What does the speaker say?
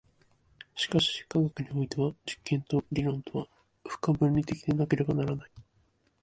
しかし科学においては実験と理論とは不可分離的でなければならない。